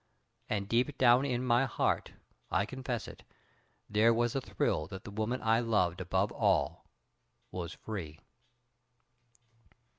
And deep down in my heart, I confess it, there was a thrill that the woman I loved above all was free.